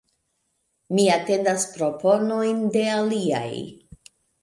Mi atendas proponojn de aliaj.